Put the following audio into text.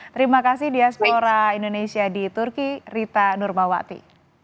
terima kasih diaspora indonesia di turki rita nurmawati